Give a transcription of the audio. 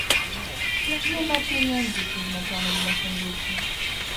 Nie ma pieniędzy przeznaczonych dla funduszy